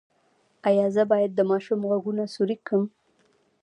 ایا زه باید د ماشوم غوږونه سورۍ کړم؟